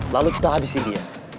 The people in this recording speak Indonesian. lalu kita habisi dia